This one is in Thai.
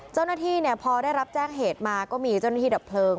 เจ้าหน้าที่พอได้รับแจ้งเหตุมาก็มีเจ้าหน้าที่ดับเพลิง